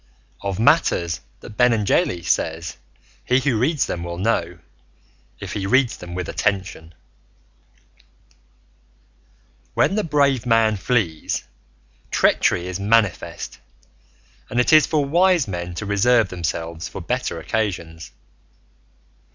OF MATTERS THAT BENENGELI SAYS HE WHO READS THEM WILL KNOW, IF HE READS THEM WITH ATTENTION When the brave man flees, treachery is manifest and it is for wise men to reserve themselves for better occasions.